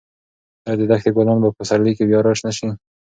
ایا د دښتې ګلان به په پسرلي کې بیا راشنه شي؟